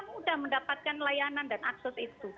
mudah mendapatkan layanan dan akses itu